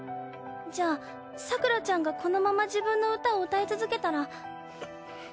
じゃあさくらちゃんがこのまま自分の歌をうたい続けたら。